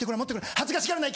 恥ずかしがらない！